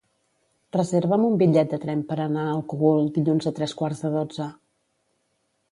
Reserva'm un bitllet de tren per anar al Cogul dilluns a tres quarts de dotze.